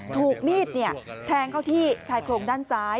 ถูกมีดแทงเข้าที่ชายโครงด้านซ้าย